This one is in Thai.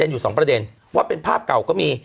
อยู่สองประเด็นว่าเป็นภาพเก่าก็มี